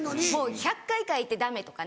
１００回書いてダメとかね